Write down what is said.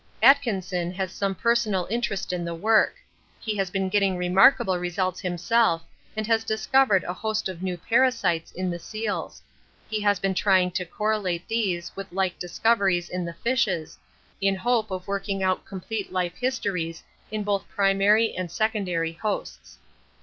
Atkinson has some personal interest in the work. He has been getting remarkable results himself and has discovered a host of new parasites in the seals; he has been trying to correlate these with like discoveries in the fishes, in hope of working out complete life histories in both primary and secondary hosts.